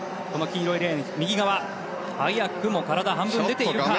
黄色いレーン右側早くも体半分出ているか。